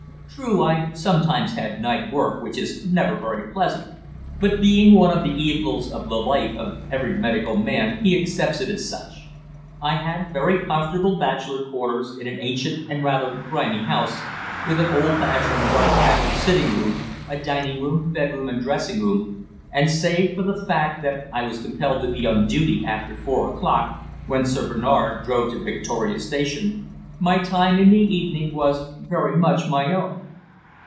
True, I sometimes had night work, which is never very pleasant, but being one of the evils of the life of every medical man he accepts it as such. I had very comfortable bachelor quarters in an ancient and rather grimy house, with an old fashioned dark panelled sitting room, a dining room, bedroom and dressing room, and, save for the fact that I was compelled to be on duty after four o'clock, when Sir Bernard drove to Victoria Station, my time in the evening was very much my own.